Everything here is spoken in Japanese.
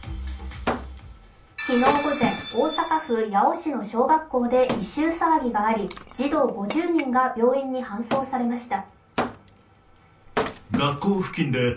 昨日午前、大阪府八尾市の小学校で異臭騒ぎがあり児童５０人が病院に搬送されました。